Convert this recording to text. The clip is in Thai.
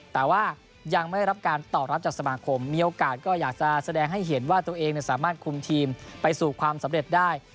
แต่ว่ายังไม่ได้รับการตอบรับจากสมาคมมีโอกาสก็อยากจะแสดงให้เห็นว่าตัวเองสามารถคุมทีมไปสู่ความสำเร็จได้